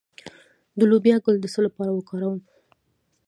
د لوبیا ګل د څه لپاره وکاروم؟